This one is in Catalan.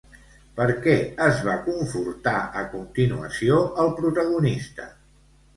Per què es va confortar a continuació el protagonista?